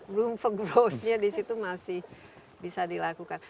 belum pergrowth nya disitu masih bisa dilakukan